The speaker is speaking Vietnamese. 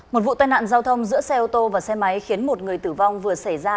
một vụ tai nạn giao thông giữa xe ô tô và xe máy khiến một người tử vong vừa xảy ra